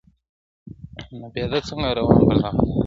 نو پیاده څنګه روان پر دغه لار دی٫